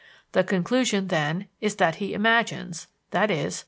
The conclusion, then, is that he imagines, i.e.